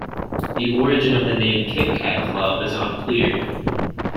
The origin of the name "Kit-Cat Club" is unclear.